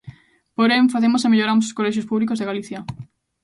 Porén, facemos e melloramos os colexios públicos de Galicia.